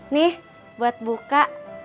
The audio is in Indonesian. nih buat buka